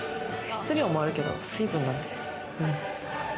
質量もあるけど水分なんで。